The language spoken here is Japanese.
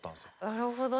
なるほどね。